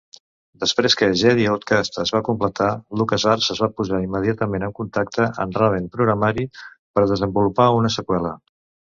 Després que "Jedi Outcast" es va completar, LucasArts es va posar immediatament en contacte amb Raven Programari per a desenvolupar una seqüela.